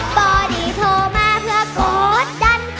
บอดี้โทรมาเพื่อกดดัน